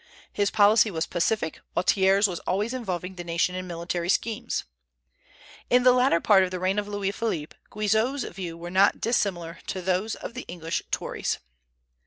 His policy was pacific, while Thiers was always involving the nation in military schemes. In the latter part of the reign of Louis Philippe, Guizot's views were not dissimilar to those of the English Tories.